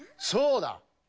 そうだ！